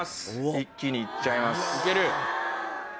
一気に行っちゃいます。